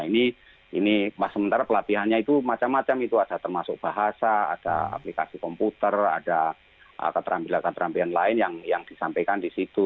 nah ini sementara pelatihannya itu macam macam itu ada termasuk bahasa ada aplikasi komputer ada keterampilan keterampilan lain yang disampaikan di situ